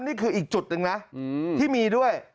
นี่คืออีกจุดหนึ่งนะที่มีด้วย